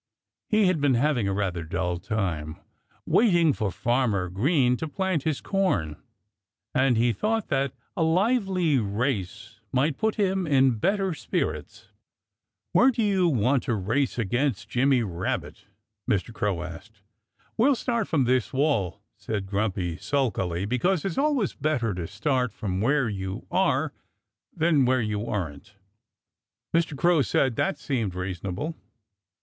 He had been having a rather dull time, waiting for Farmer Green to plant his corn, and he thought that a lively race might put him in better spirits. [Illustration: Grumpy Nearly Catches Paddy Muskrat. (Page 31)] "Where do you want to race against Jimmy Rabbit?" Mr. Crow asked. "We'll start from this wall," said Grumpy sulkily, "because it's always better to start from where you are than where you aren't." Mr. Crow said that that seemed reasonable.